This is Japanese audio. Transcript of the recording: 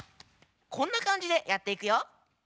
こんなかんじでやっていくよ。